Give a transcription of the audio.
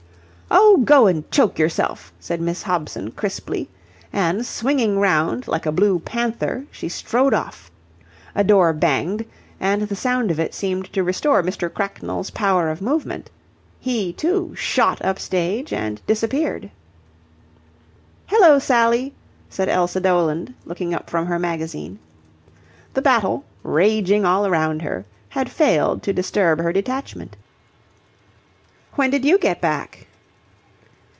"Oh, go and choke yourself!" said Miss Hobson, crisply. And, swinging round like a blue panther, she strode off. A door banged, and the sound of it seemed to restore Mr. Cracknell's power of movement. He, too, shot up stage and disappeared. "Hello, Sally," said Elsa Doland, looking up from her magazine. The battle, raging all round her, had failed to disturb her detachment. "When did you get back?"